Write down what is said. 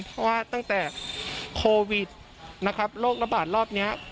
เพราะว่าตั้งแต่โควิดนะครับโรคระบาดรอบนี้